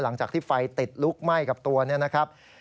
หลังจากที่ไฟติดลุกไหม้กับตัวเนี่ยนะครับ